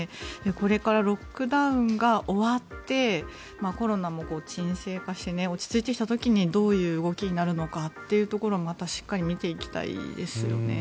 これからロックダウンが終わってコロナも沈静化して落ち着いてきた時にどういう動きになるのかをまたしっかり見ていきたいですね。